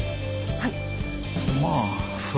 はい。